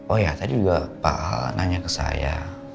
oh iya tadi juga pak al nanya ke saya